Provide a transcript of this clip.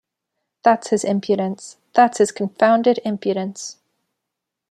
That’s his impudence — that’s his confounded impudence.